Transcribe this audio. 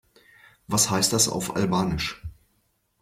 Was heißt das auf Albanisch?